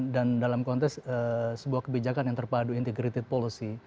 dan dalam konteks sebuah kebijakan yang terpadu integrated policy